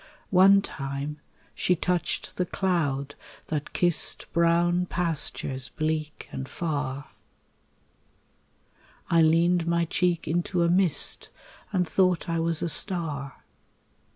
One time she touched the cloud that kissed Brown pastures bleak and far; RAINBOW GOLD I leaned my cheek into a mist And thought I was a star.